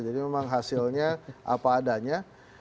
jadi memang hasilnya apa adanya